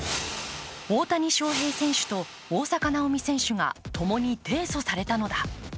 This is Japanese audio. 大谷翔平選手と大坂なおみ選手が共に提訴されたのだ。